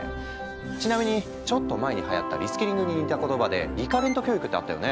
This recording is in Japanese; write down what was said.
ちなみにちょっと前にはやったリスキリングに似た言葉でリ・カレント教育ってあったよね。